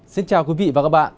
xin chào quý vị và các bạn